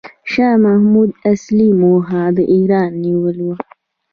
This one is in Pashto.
شاه محمود اصلي موخه د ایران نیول و.